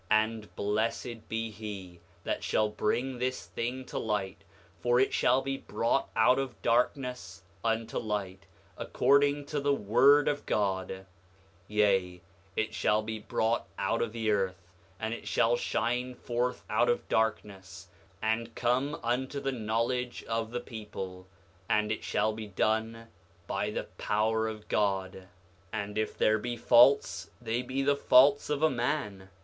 8:16 And blessed be he that shall bring this thing to light; for it shall be brought out of darkness unto light, according to the word of God; yea, it shall be brought out of the earth, and it shall shine forth out of darkness, and come unto the knowledge of the people; and it shall be done by the power of God. 8:17 And if there be faults they be the faults of a man.